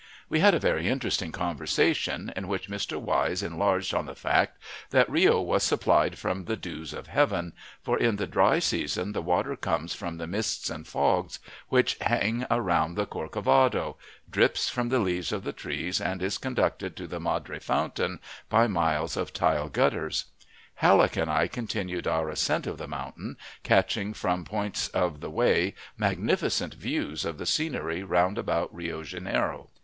We had a very interesting conversation, in which Mr. Wise enlarged on the fact that Rio was supplied from the "dews of heaven," for in the dry season the water comes from the mists and fogs which hang around the Corcovado, drips from the leaves of the trees, and is conducted to the Madre fountain by miles of tile gutters. Halleck and I continued our ascent of the mountain, catching from points of the way magnificent views of the scenery round about Rio Janeiro.